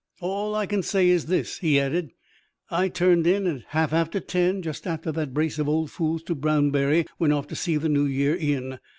"All I can say is this," he added. "I turned in at half after ten, just after that brace of old fools to Brownberry went off to see the New Year in.